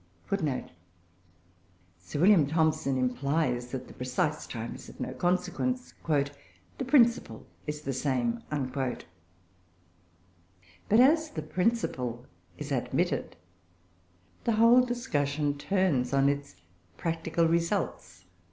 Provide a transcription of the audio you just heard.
[Footnote 15: Sir William Thomson implies (loc. cit. p. 16) that the precise time is of no consequence: "the principle is the same"; but, as the principle is admitted, the whole discussion turns on its practical results.